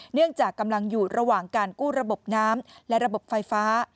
เนื่องจากกำลังอยู่ระหว่างการกู้ระบบน้ำและระบบไฟฟ้า